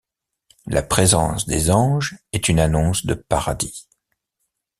La présence des anges est une annonce de paradis.